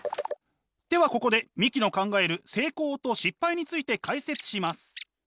ではここで三木の考える成功と失敗について解説します！